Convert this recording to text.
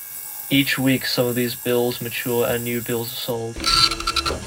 Each week, some of these bills mature, and new bills are sold.